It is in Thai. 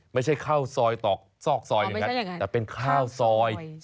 ไม่ใช่ข้าวซอยตอกซอกซอยอย่างนั้นแต่เป็นข้าวซอยอ๋อไม่ใช่อย่างนั้น